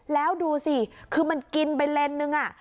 แล้วดูสิคือมันกินไปเลนส์นึง